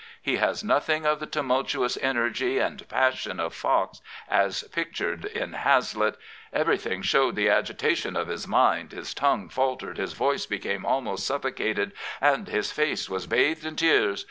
He has nothing of the tumultuous energy and passion of Fox as pictured in Hazlitt: Everything showed the agitation of his mind: his tongue faltered, his voice became almost suffocated, and his face was bathed in tears.